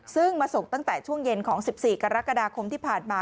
ซึ่งมาส่งตั้งแต่ช่วงเย็นของ๑๔กรกฎาคมที่ผ่านมา